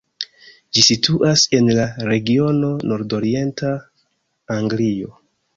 Ĝi situas en la regiono nordorienta Anglio.